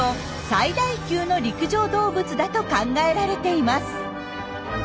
最大級の陸上動物だと考えられています。